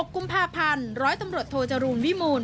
กุมภาพันธ์ร้อยตำรวจโทจรูลวิมูล